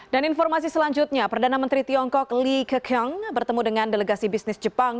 dan informasi selanjutnya perdana menteri tiongkok lee ke keung bertemu dengan delegasi bisnis jepang